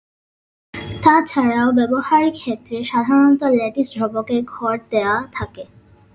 তাছাড়াও ব্যবহারিক ক্ষেত্রে সাধারণত ল্যাটিস ধ্রুবকের গড় দেয়া থাকে।